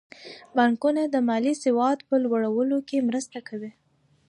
بانکونه د مالي سواد په لوړولو کې مرسته کوي.